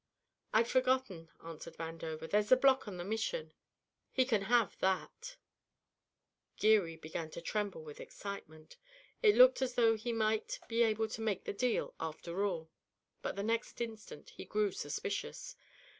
'" "I'd forgotten," answered Vandover. "There's the block in the Mission. He can have that." Geary began to tremble with excitement. It looked as though he might be able to make the deal after all. But the next instant he grew suspicious.